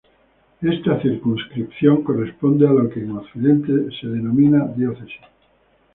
Esta circunscripción corresponde a lo que en Occidente se denomina diócesis.